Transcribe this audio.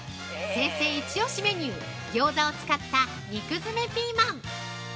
先生イチオシメニュー、ギョーザを使った肉詰めピーマン。